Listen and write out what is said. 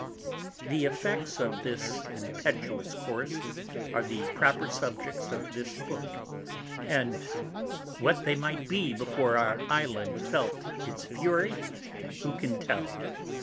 The Effects of this impetuous Course, are the proper Subjects of this Book; and what they might be before our Island felt its Fury, who can tell?